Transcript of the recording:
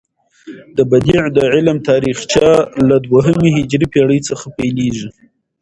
د بدیع د علم تاریخچه له دوهمې هجري پیړۍ څخه پيلیږي.